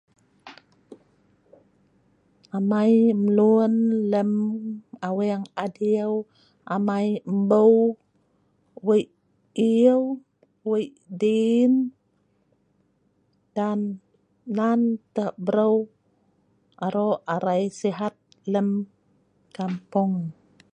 Amai mluen lem aweng adieu amai mboau wei ieu wei dien tam nan tah breu arok arai sehat lem kampong